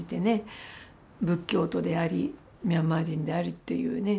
仏教徒でありミャンマー人であるっていうね